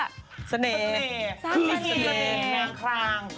คือเสร็จนางคลาง